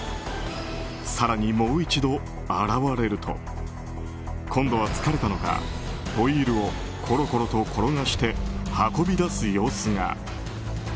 更に、もう一度現れると今度は疲れたのかホイールをころころと転がして運び出す様子が。